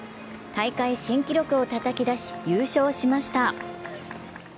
大会新記録をたたき出し、優勝しました。